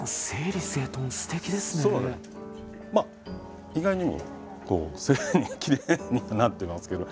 まあ意外にもきれいにはなってますけど。